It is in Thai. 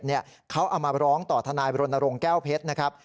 เขาเอามาร้องต่อทนายบรณรงค์แก้วเพชรนะครับ